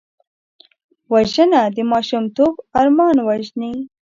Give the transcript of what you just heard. وژنه د ماشومتوب ارمان وژني